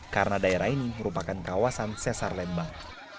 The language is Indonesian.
karena daerah ini merupakan kawasan sesar lembang